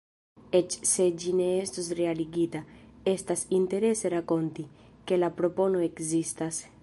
Eĉ se ĝi ne estos realigita, estas interese rakonti, ke la propono ekzistas.